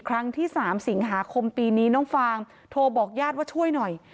ครั้งที่๓สิงหาคมปีนี้น้องฟางโทรบอกญาติว่าช่วยหน่อย